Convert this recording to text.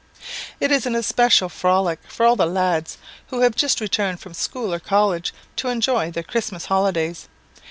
It is an especial frolic for all the lads who have just returned from school or college to enjoy their Christmas holidays.